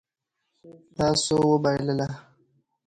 تاسو وبایلله